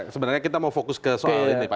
sebenarnya kita mau fokus ke soal ini pak